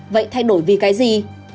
vậy thay đổi vì cái gì